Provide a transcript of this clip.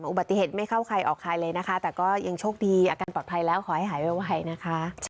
อุบัติเหตุไม่เข้าใครออกใครเลยนะคะแต่ก็ยังโชคดีอาการปลอดภัยแล้วขอให้หายไวนะคะ